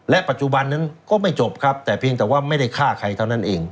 ปัจจุบันนั้นก็ไม่จบครับแต่เพียงแต่ว่าไม่ได้ฆ่าใครเท่านั้นเอง